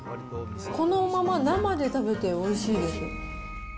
このまま生で食べておいしいです。